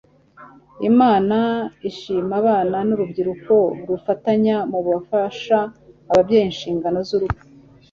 Imana ishima abana n'urubyiruko rufatanya mu gufasha ababyeyi inshingano z'urugo.